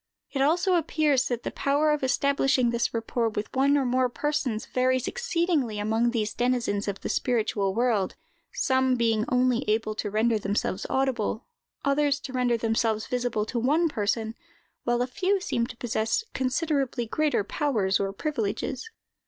It also appears that the power of establishing this rapport with one or more persons, varies exceedingly among these denizens of a spiritual world, some being only able to render themselves audible, others to render themselves visible to one person, while a few seem to possess considerably greater powers or privileges.